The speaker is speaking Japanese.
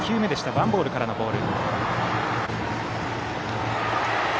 ワンボールからのボール。